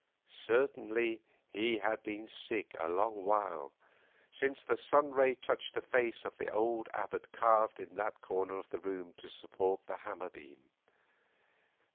Certainly he had been sick a long while, since the sun ray touched the face of the old abbot carved in that corner of the room to support the hammer beam.